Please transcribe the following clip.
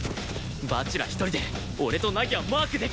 蜂楽一人で俺と凪はマークできない！